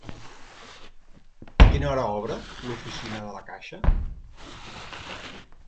A quina hora obre l'oficina de la Caixa?